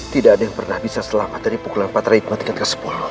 tidak ada yang pernah bisa selamat dari pukulan patrihikmat tingkat ke sepuluh